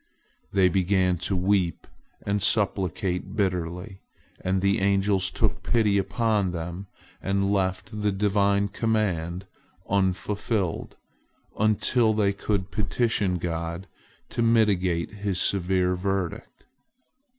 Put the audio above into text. They began to weep and supplicate bitterly, and the angels took pity upon them and left the Divine command unfulfilled, until they could petition God to mitigate His severe verdict.